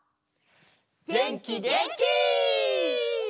げんきげんき！